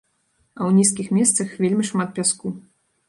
А ў нізкіх месцах вельмі шмат пяску.